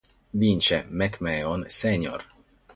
Vince McMahon Sr.